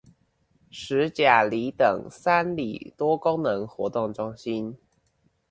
十甲里等三里多功能活動中心